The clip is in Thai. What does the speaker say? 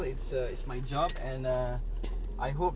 ไม่เป็นไรเป็นงานของฉัน